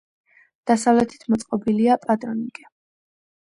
დასავლეთით მოწყობილია პატრონიკე.